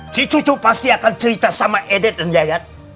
si cucu pasti akan cerita sama edet dan yayat